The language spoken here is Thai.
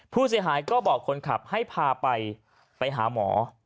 ผู้เสียหายก็บอกคนขับให้พาไปไปหาหมอ